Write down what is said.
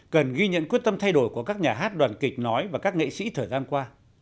cần ghi nhận quyết tâm thay đổi của các nhà hát đoàn kịch nói và các nghệ sĩ thời gian qua